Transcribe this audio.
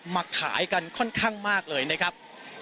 มาขายกันค่อนข้างมากเลยนะครับ